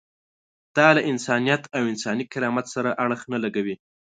دا له انسانیت او انساني کرامت سره اړخ نه لګوي.